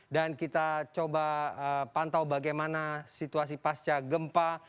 dan kita coba pantau bagaimana situasi pasca gempa